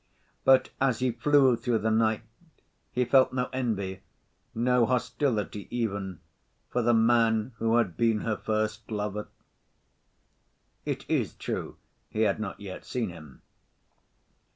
But as he flew through the night, he felt no envy, no hostility even, for the man who had been her first lover.... It is true he had not yet seen him.